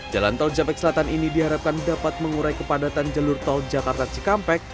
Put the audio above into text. jalan tol japek selatan ini diharapkan dapat mengurai kepadatan jalur tol jakarta cikampek